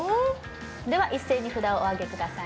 では一斉に札をおあげください